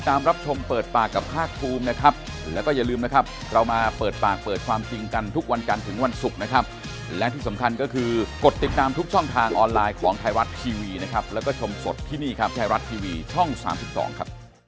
ติดตามทุกช่องทางออนไลน์ของไทยรัฐทีวีนะครับแล้วก็ชมสดที่นี่ครับไทยรัฐทีวีช่อง๓๒ครับ